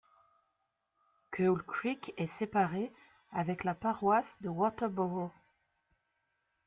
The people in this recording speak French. Coal Creek est séparé avec la paroisse de Waterborough.